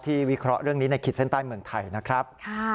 วิเคราะห์เรื่องนี้ในขีดเส้นใต้เมืองไทยนะครับ